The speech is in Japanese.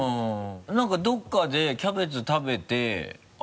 なんかどこかでキャベツ食べて。